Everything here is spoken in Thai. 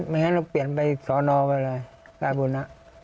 ไม่งั้นต้องเปลี่ยนไปสนไปเลยสน